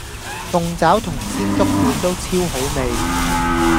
鳳爪同鮮竹卷都超好味